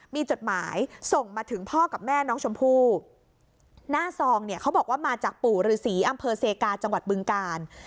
มีจดหมายส่งมาถึงพ่อกับแม่น้องชมพู่หน้าซองเนี่ยเขาบอกว่ามาจากปู่ฤษีอำเภอเซกาจังหวัดบึงกาล